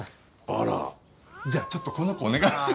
あらじゃあちょっとこの子お願いします。